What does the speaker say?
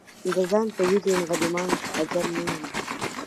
د ځان په ویر یم غلیمانو ته اجل نه یمه `